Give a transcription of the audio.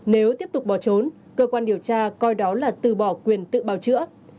nếu tiếp tục bỏ trốn cơ quan điều tra coi đó là từ bỏ quyền tự bào chữa